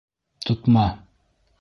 Тотма!